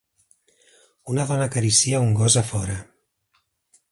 Una dona acaricia un gos a fora.